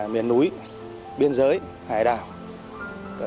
miền núi biên giới hải đảo